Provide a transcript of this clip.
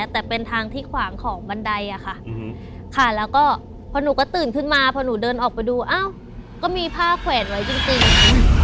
แต่เป็นทางที่ขวางของบันไดอะค่ะค่ะแล้วก็พอหนูก็ตื่นขึ้นมาพอหนูเดินออกไปดูอ้าวก็มีผ้าแขวนไว้จริง